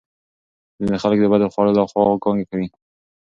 ځینې خلک د بدو خوړو له خوا کانګې کوي.